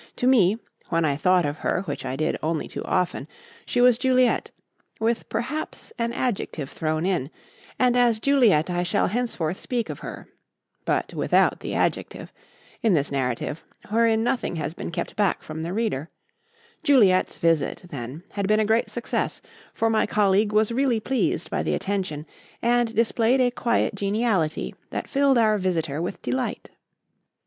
To me, when I thought of her, which I did only too often, she was Juliet, with perhaps an adjective thrown in; and as Juliet I shall henceforth speak of her (but without the adjective) in this narrative, wherein nothing has been kept back from the reader Juliet's visit, then, had been a great success, for my colleague was really pleased by the attention, and displayed a quiet geniality that filled our visitor with delight.